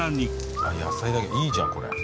あっ野菜だけいいじゃんこれ。